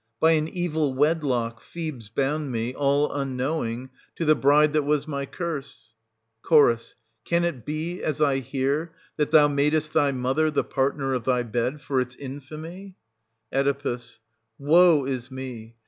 By an evil wedlock, Thebes bound me, all unknowing, to the bride that was my curse Ch. Can it be, as I hear, that thou madest thy mother the partner of thy bed, for its infamy } Oe. Woe is me